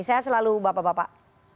sehat selalu bapak bapak